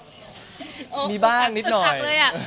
เอ่อก็มีบ้างนิดหน่อย